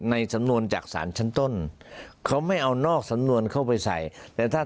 ในสำนวนจากศาลชั้นต้นเขาไม่เอานอกสำนวนเข้าไปใส่แต่ถ้า